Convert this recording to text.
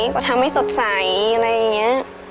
ก็ทำให้สดใสอะไรอย่างนี้